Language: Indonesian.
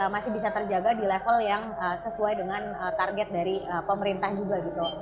masih bisa terjaga di level yang sesuai dengan target dari pemerintah juga gitu